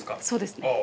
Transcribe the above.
そうですね。